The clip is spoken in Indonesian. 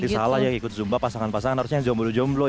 salah ya ikut zumba pasangan pasangan harusnya jomblo jomblo